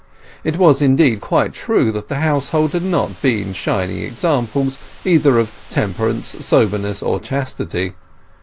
It was, indeed, quite true that the household had not been shining examples either of temperance, soberness, or chastity.